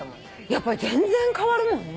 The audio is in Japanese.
やっぱり全然変わるもんね。